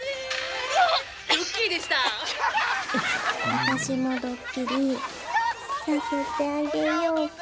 私もドッキリさせてあげようか？